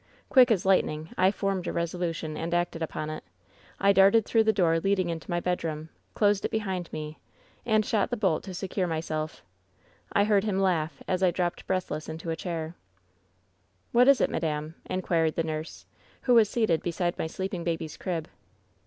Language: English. "Quick as lightning I formed a resolution and acted upon it. I darted through the door leading into my bedroom, closed it behind me, and shot the bolt to secure myself. I heard him laugh as I dropped breathless into a chair. 196 WHEN SHADOWS DEE *What is it, madame V inquired the nurse, who wa» seated beside my sleeping baby's crib.